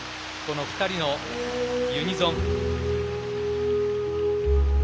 ２人のユニゾン。